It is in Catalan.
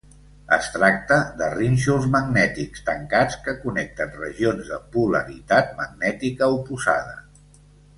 Es tracta de rínxols magnètics tancats que connecten regions de polaritat magnètica oposada.